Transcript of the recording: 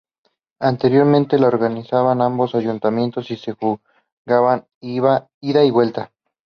Anteriormente lo organizaban ambos ayuntamientos y se jugaba a ida y vuelta.